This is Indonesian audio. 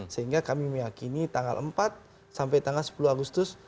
sehingga kami meyakini tanggal empat sampai tanggal sepuluh agustus